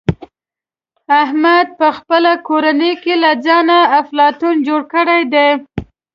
احمد په خپله کورنۍ کې له ځانه افلاطون جوړ کړی دی.